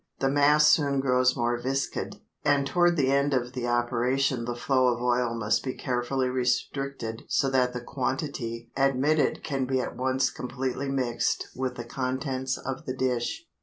The mass soon grows more viscid, and toward the end of the operation the flow of oil must be carefully restricted so that the quantity admitted can be at once completely mixed with the contents of the dish.